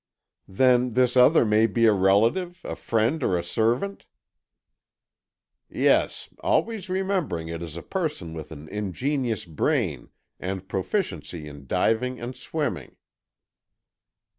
"Then this other may be a relative, a friend or a servant?" "Yes, always remembering it is a person with an ingenious brain and proficiency in diving and swimming."